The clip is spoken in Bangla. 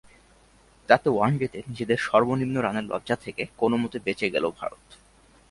তাতে ওয়ানডেতে নিজেদের সর্বনিম্ন রানের লজ্জা থেকে কোনোমতে বেঁচে গেল ভারত।